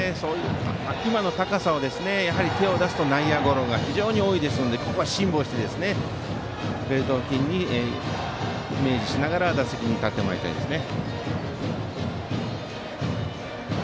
今の高さに手を出すと内野ゴロが多いのでここは辛抱してベルト付近をイメージしながら打席に立ってもらいたいですね。